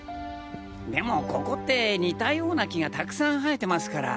でもここって似たような木がたくさん生えてますから。